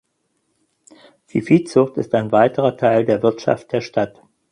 Die Viehzucht ist ein weiterer Teil der Wirtschaft der Stadt.